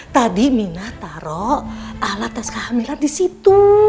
tadi mina taro alat tes kehamilan disitu